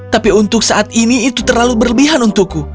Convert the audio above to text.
tapi untuk saat ini itu terlalu berlebihan untukku